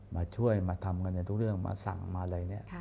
มาช่วยมาทำกันในทุกเรื่องมาสั่งมาอะไรเนี่ย